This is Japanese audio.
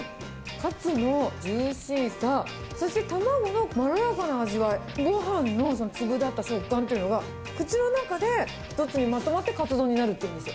かつのジューシーさ、そして卵のまろやかな味わい、ごはんの粒立った食感っていうのが、口の中で一つにまとまって、かつ丼になるっていうんです。